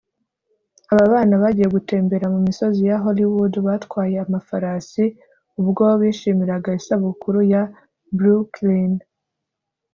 Aba bana bagiye gutembera mu misozi ya Hollywood batwaye amafarasi ubwo bishimiraga isabukuru ya Brooklyn